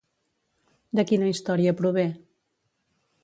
De quina història prové?